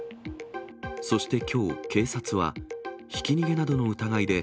そしてきょう、警察は、ひき逃げなどの疑いで、